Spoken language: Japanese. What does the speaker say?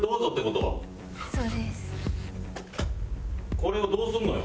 これをどうするのよ？